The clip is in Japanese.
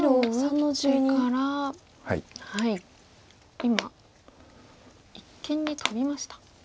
今一間にトビました。